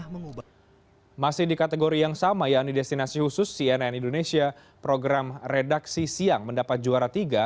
masih di kategori yang sama yakni destinasi khusus cnn indonesia program redaksi siang mendapat juara tiga